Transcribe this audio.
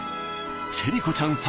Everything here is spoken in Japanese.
チェリ子ちゃん作